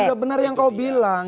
itu sudah benar yang kau bilang